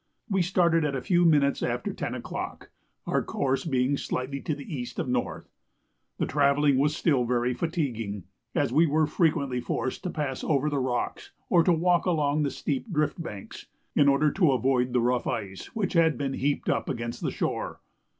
We started at a few minutes after 10 o'clock, our course being slightly to the east of north. The travelling was still very fatiguing, as we were frequently forced to pass over the rocks, or to walk along the steep drift banks, in order to avoid the rough ice which had been heaped up against the shore.